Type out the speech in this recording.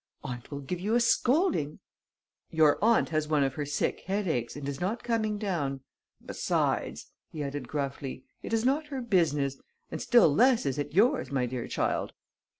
"Aunt will give you a scolding!" "Your aunt has one of her sick headaches and is not coming down. Besides," he added, gruffly, "it is not her business ... and still less is it yours, my dear child."